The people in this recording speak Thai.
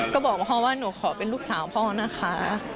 ก็บอกพ่อว่าหนูขอเป็นลูกสาวพ่อนะคะ